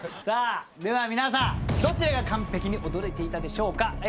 さぁでは皆さんどちらが完璧に踊れていたでしょうか？